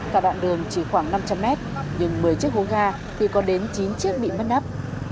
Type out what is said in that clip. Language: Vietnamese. cả đoạn đường chỉ khoảng năm trăm linh mét nhưng một mươi chiếc hố ga thì có đến chín chiếc bị mất nắp